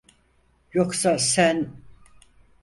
Yoksa sen…